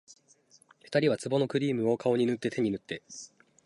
二人は壺のクリームを、顔に塗って手に塗って